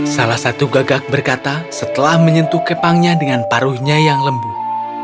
salah satu gagak berkata setelah menyentuh kepangnya dengan paruhnya yang lembut